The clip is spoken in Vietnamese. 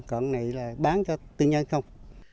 còn này là bán cho tiên nhân không